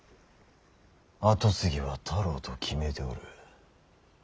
跡継ぎは太郎と決めておる。